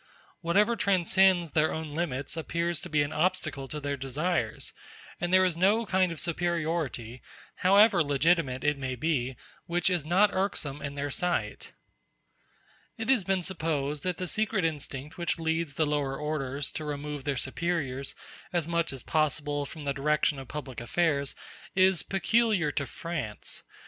Whatever transcends their own limits appears to be an obstacle to their desires, and there is no kind of superiority, however legitimate it may be, which is not irksome in their sight. It has been supposed that the secret instinct which leads the lower orders to remove their superiors as much as possible from the direction of public affairs is peculiar to France.